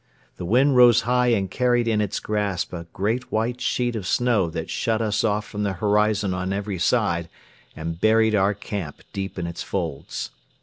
The wind rose high and carried in its grasp a great white sheet of snow that shut us off from the horizon on every side and buried our camp deep in its folds.